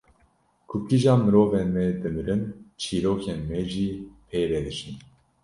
Ku kîjan mirovên me dimirin çîrokên me jî pê re diçin